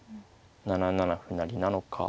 ７七歩成なのか。